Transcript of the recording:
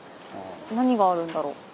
何があるんだろう？